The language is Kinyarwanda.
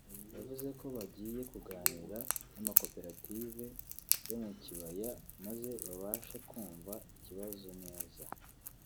yavuze ko bagiye kuganira n’amakoperative yo mu kibaya maze babashe kumva ikibazo neza